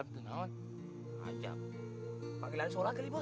pagilannya seolah kali bos